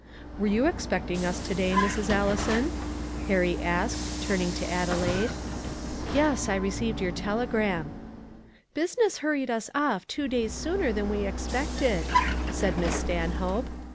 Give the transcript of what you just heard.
"Were you expecting us to day, Mrs. Allison?" Harry asked, turning to Adelaide. "Yes; I received your telegram." "Business hurried us off two days sooner than we expected," said Miss Stanhope.